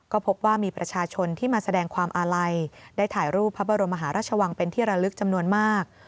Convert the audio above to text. ก็พบว่ามีประชาชนที่มาแสดงความอาลัยได้ถ่ายรูปพระบรมหาราชวังเป็นที่ระลึกจำนวนมาก